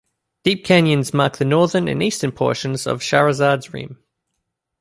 Deep canyons mark the northern and eastern portions of Shahrazad's rim.